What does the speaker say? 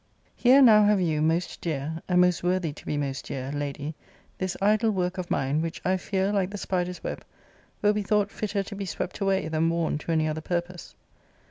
ERE now have you, most dear, and most worthy to be most dear, Lady, this idle work of mine, which, I fear, like the spider's web, will be thought fitter to be swept away than worn to any other purpose.